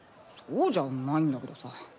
そうじゃないんだけどさ。